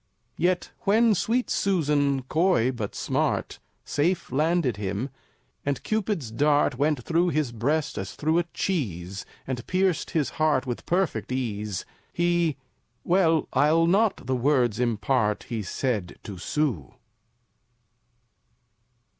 Yet when sweet Susan, coy but smart, Safe landed him, and Cupid's dart Went through his breast as through a cheese, And pierced his heart with perfect ease, He well, I'll not the words impart He said to Sue!